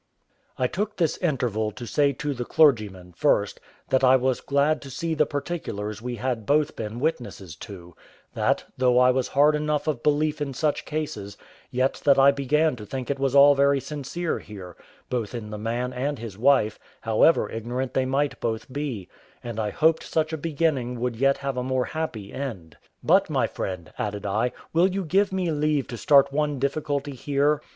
I took this interval to say to the clergyman, first, that I was glad to see the particulars we had both been witnesses to; that, though I was hard enough of belief in such cases, yet that I began to think it was all very sincere here, both in the man and his wife, however ignorant they might both be, and I hoped such a beginning would yet have a more happy end. "But, my friend," added I, "will you give me leave to start one difficulty here?